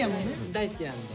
大好きなので。